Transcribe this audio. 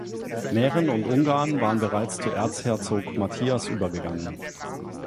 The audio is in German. Mähren und Ungarn waren bereits zu Erzherzog Matthias übergegangen.